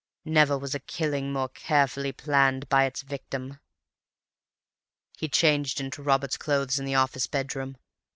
Never was a killing more carefully planned by its victim. "He changed into Robert's clothes in the office bedroom.